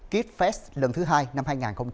kidfest lần thứ hai năm hai nghìn hai mươi bốn